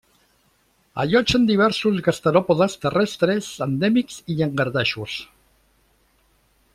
Allotgen diversos gasteròpodes terrestres endèmics i llangardaixos.